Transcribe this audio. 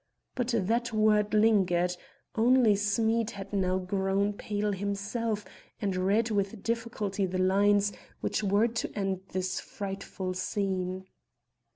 But that word lingered. Old Smead had now grown pale himself and read with difficulty the lines which were to end this frightful scene.